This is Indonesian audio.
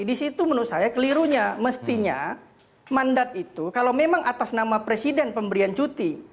di situ menurut saya kelirunya mestinya mandat itu kalau memang atas nama presiden pemberian cuti